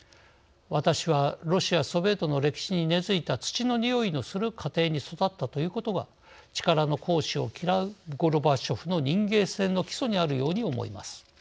私は、ロシア、ソビエトの歴史に根づいた土の匂いのする家庭に育ったということが力の行使を嫌うゴルバチョフの人間性の基礎にあるように思います。